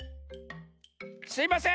すいません。